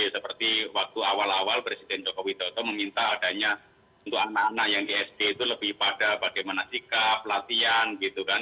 seperti waktu awal awal presiden joko widodo meminta adanya untuk anak anak yang di sd itu lebih pada bagaimana sikap latihan gitu kan